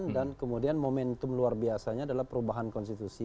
dan kemudian momentum luar biasanya adalah perubahan konstitusi